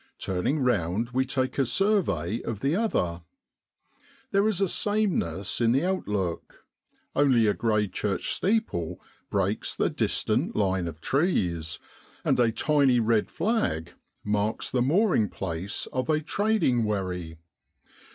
Turning round we take a survey of the other. There is a sameness in the outlook ; only a grey church steeple breaks the distant line of trees, and a tiny red flag marks the mooring place of a trading wherry.